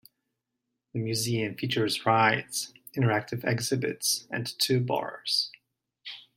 The museum features "rides", interactive exhibits, and two bars.